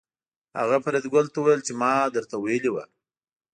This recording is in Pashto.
هغه فریدګل ته وویل چې ما درته ویلي وو